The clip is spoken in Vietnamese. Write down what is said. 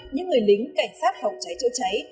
những người lính cảnh sát phòng cháy chữa cháy